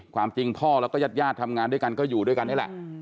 ความจริงพ่อแล้วก็ญาติญาติทำงานด้วยกันก็อยู่ด้วยกันนี่แหละ